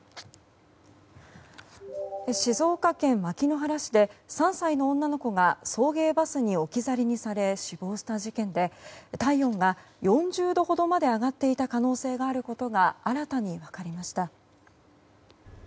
静岡県牧之原市で３歳の女の子が送迎バスに置き去りにされ死亡した事件で体温が４０度ほどまで上がっていた可能性があることが新たに分かりました。